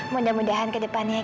mudah mudahan ke depannya